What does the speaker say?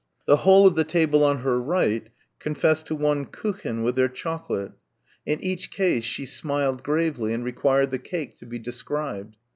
The whole of the table on her right confessed to one Kuchen with their chocolate. In each case she smiled gravely and required the cake to be described.